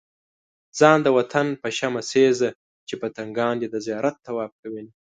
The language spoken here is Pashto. ځان د وطن په شمع سيزه چې پتنګان دې د زيارت طواف کوينه